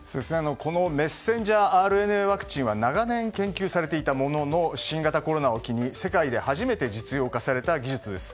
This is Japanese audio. メッセンジャーＲＮＡワクチン長年研究されていたものの新型コロナを機に世界で初めて実用化された技術です。